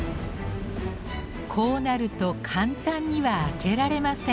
こうなると簡単には開けられません。